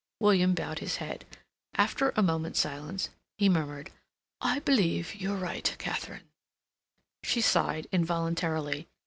William bowed his head. After a moment's silence he murmured: "I believe you're right, Katharine." She sighed, involuntarily.